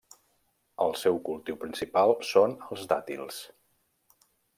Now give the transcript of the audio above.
El seu cultiu principal són els dàtils.